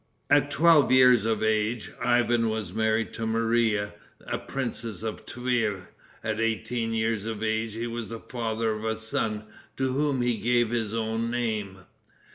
At twelve years of age, Ivan was married to Maria, a princess of Tver. At eighteen years of age he was the father of a son, to whom he gave his own name.